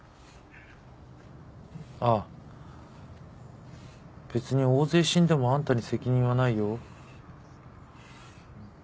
あっ別に大勢死んでもあんたに責任はないよ。